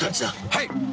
はい！